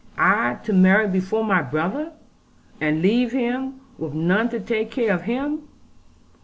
'I to marry before my brother, and leave him with none to take care of him!